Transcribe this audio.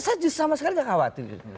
saya sama sekali nggak khawatir